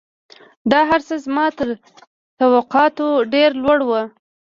دا هرڅه زما تر توقعاتو ډېر لوړ وو